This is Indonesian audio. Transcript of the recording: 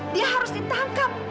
dia harus ditangkap